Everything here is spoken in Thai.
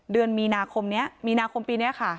เดือนมีนาคมนี้มีนาคมปีนี้ค่ะ